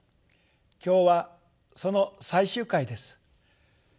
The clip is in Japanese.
今日はその最終回です。